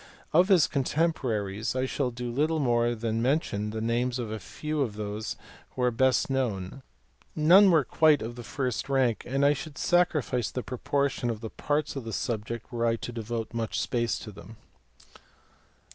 Of his contemporaries I shall do little more than mention the names of a few of those who are best known; none were quite of the first rank and I should sacrifice the proportion of the parts of the subject were I to devote much space to them.